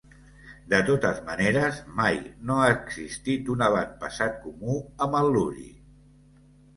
De totes maneres, mai no ha existit un avantpassat comú amb el Luri.